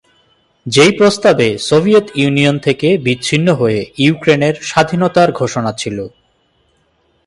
যেই প্রস্তাবে Soviet Union থেকে বিচ্ছিন্ন হয়ে ইউক্রেনের স্বাধীনতার ঘোষণা ছিল।